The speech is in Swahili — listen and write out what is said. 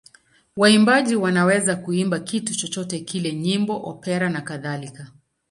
Waimbaji wanaweza kuimba kitu chochote kile: nyimbo, opera nakadhalika.